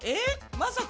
まさか！